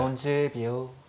４０秒。